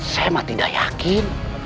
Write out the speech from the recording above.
saya tidak yakin